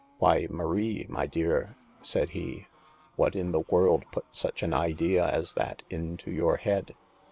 " Why, Marie, my dear," said he, " what in the world put such an idea as that into your head